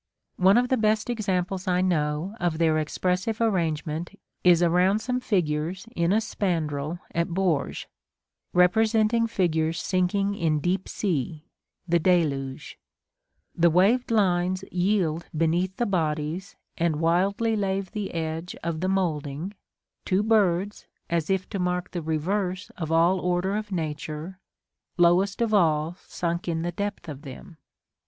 One of the best examples I know of their expressive arrangement is around some figures in a spandril at Bourges, representing figures sinking in deep sea (the deluge): the waved lines yield beneath the bodies and wildly lave the edge of the moulding, two birds, as if to mark the reverse of all order of nature, lowest of all sunk in the depth of them.